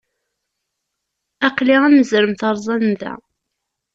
Aql-i am uzrem teṛẓa nnda.